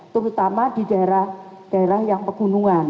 terutama di daerah daerah yang pegunungan